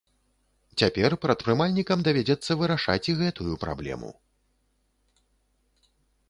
Цяпер прадпрымальнікам давядзецца вырашаць і гэтую праблему.